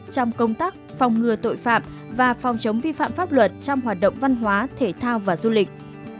trong công tác phòng ngừa tội phạm và phòng chống vi phạm pháp luật trong hoạt động văn hóa thể thao và du lịch